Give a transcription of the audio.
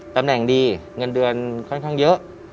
ตำแหน่งดีเงินเดือนค่อนข้างเยอะ